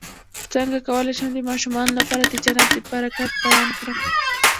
څنګه کولی شم د ماشومانو لپاره د جنت د برکت بیان کړم